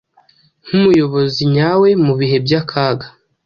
nk’umuyobozi nyawe mu bihe by’akaga,